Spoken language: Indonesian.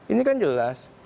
ini kan jelas